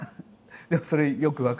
でもそれよく分かる。